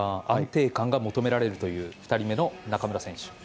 安定感が求められるという２人目の中村選手。